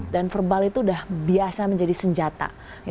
dan verbal itu sudah biasa menjadi senjata